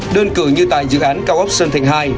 đơn cử như tại dự án cao ốc sơn thành hai